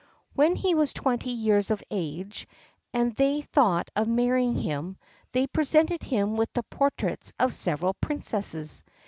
When he was twenty years of age, and they thought of marrying him, they presented him with the portraits of several princesses.